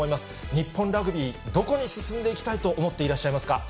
日本ラグビー、どこに進んでいきたいと思っていらっしゃいますか？